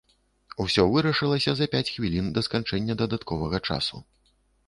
Усё вырашылася за пяць хвілін да сканчэння дадатковага часу.